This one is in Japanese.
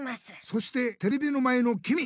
そしてテレビの前のきみ！